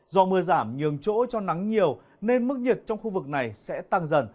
do mưa giảm nhường chỗ cho nắng nhiều nên mức nhiệt trong khu vực này sẽ tăng dần